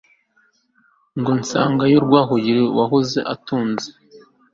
ngo nsangeyo rwabugili wahoze antunze